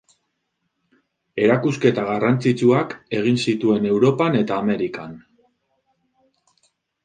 Erakusketa garrantzitsuak egin zituen Europan eta Amerikan.